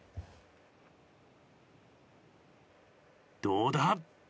どうだ？